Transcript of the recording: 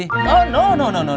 oh tidak tidak tidak